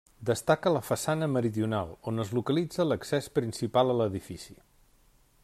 Destaca la façana meridional, on es localitza l'accés principal a l'edifici.